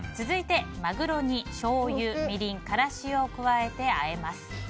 続いてマグロにしょうゆ、みりん、からしを加えてあえます。